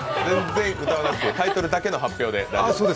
タイトルだけの発表で。